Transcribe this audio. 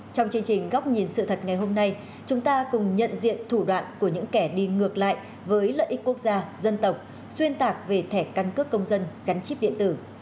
trong chương trình góc nhìn sự thật ngày hôm nay chúng ta cùng nhận diện thủ đoạn của những kẻ đi ngược lại với lợi ích quốc gia dân tộc xuyên tạc về thẻ căn cước công dân gắn chip điện tử